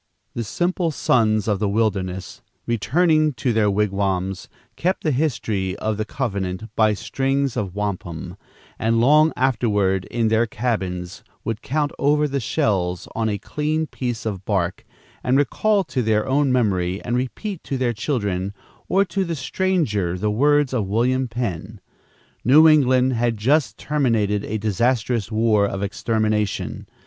The simple sons of the wilderness, returning to their wigwams, kept the history of the covenant by strings of wampum, and, long afterward, in their cabins, would count over the shells on a clean piece of bark and recall to their own memory and repeat to their children or to the stranger the words of William Penn. New England had just terminated a disastrous war of extermination.